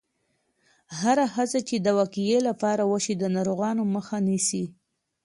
هره هڅه چې د وقایې لپاره وشي، د ناروغیو مخه نیسي.